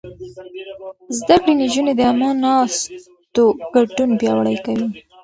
زده کړې نجونې د عامه ناستو ګډون پياوړی کوي.